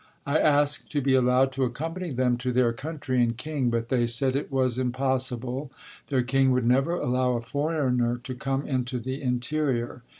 I asked to be allowed to accompany them to their country and king, but they said it was impossible, their king would never allow a foreigner to come into the interior.